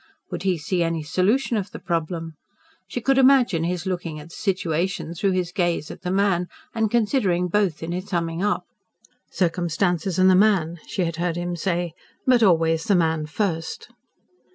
Would he see any solution of the problem? She could imagine his looking at the situation through his gaze at the man, and considering both in his summing up. "Circumstances and the man," she had heard him say. "But always the man first."